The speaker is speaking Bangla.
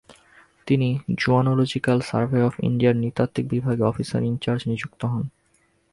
তিনি জুয়োলজিক্যাল সার্ভে অফ ইন্ডিয়ার নৃতাত্ত্বিক বিভাগে অফিসার ইনচার্জ নিযুক্ত হন।